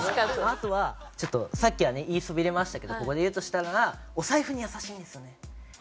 あとはちょっとさっきはね言いそびれましたけどここで言うとしたならお財布に優しいんですよね。